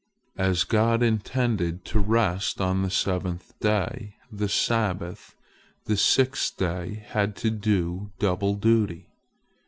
As God intended to rest on the seventh day, the Sabbath, the sixth day had to do double duty.